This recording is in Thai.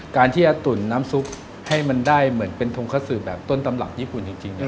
การที่จะตุ๋นน้ำซุปให้มันได้เหมือนเป็นทงข้าวสืบแบบต้นตำรับญี่ปุ่นจริง